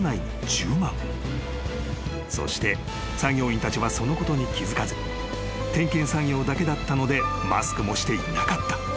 ［そして作業員たちはそのことに気付かず点検作業だけだったのでマスクもしていなかった］